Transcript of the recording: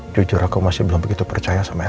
jujur aku masih belum begitu percaya sama aku